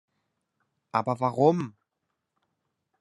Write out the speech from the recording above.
Aber warum?